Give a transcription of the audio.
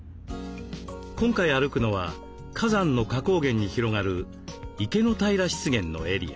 今回歩くのは火山の火口原に広がる池の平湿原のエリア。